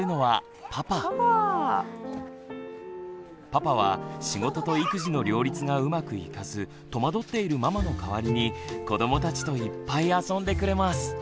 パパは仕事と育児の両立がうまくいかず戸惑っているママの代わりに子どもたちといっぱい遊んでくれます。